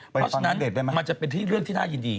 เพราะฉะนั้นมันจะเป็นเรื่องที่น่ายินดี